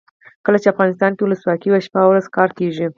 کله چې افغانستان کې ولسواکي وي شپه او ورځ کار کیږي.